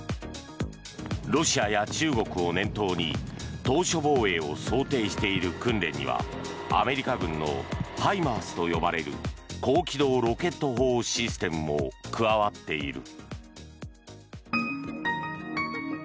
ロシアや中国を念頭に島しょ防衛を想定している訓練にはアメリカ軍のＨＩＭＡＲＳと呼ばれる高機動ロケット砲システムも加わっている。